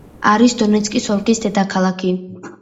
არის დონეცკის ოლქის დედაქალაქი.